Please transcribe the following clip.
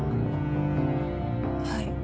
はい。